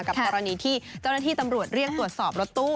กรณีที่เจ้าหน้าที่ตำรวจเรียกตรวจสอบรถตู้